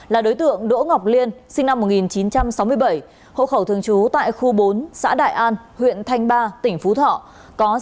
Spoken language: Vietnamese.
là đối tượng đỗ ngọc liên sinh năm một nghìn chín trăm sáu mươi bảy hộ khẩu thường trú tại khu bốn xã đại an huyện thanh ba tỉnh phú thọ